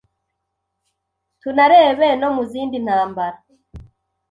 tunarebe no mu zindi ntambara,